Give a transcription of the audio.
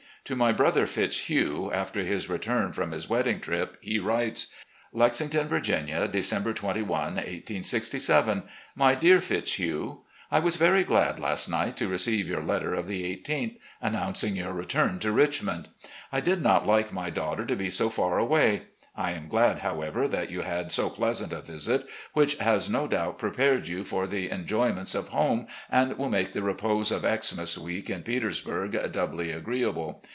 To my brother, Fitzhugh, after his return from his wedding trip, he writes: "Lexington, Virginia, December 21, 1867. "My Dear Fitzhugh: I was very glad last night to receive your letter of the i8th announcing your return to Richmond. I did not like my daughter to be so far away. I am glad, however, that you had so pleasant a visit, which has no doubt prepared you for the enjo3mients of home, and wiU make the repose of Xmas week in Petersburg doubly agreeable.